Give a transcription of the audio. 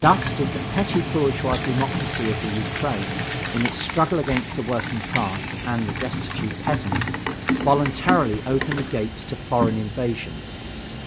Thus did the petty bourgeois democracy of the Ukraine, in its struggle against the working class and the destitute peasants, voluntarily open the gates to foreign invasion.